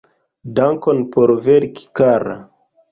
Dankon por verki, kara!